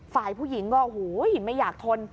ฝ่ายผู้หญิงก็โอ้โหไม่อยากทน